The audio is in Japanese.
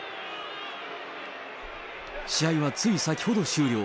試合はつい先ほど終了。